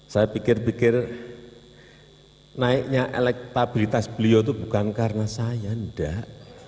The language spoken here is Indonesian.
saya pikir pikir naiknya elektabilitas beliau itu bukan karena saya enggak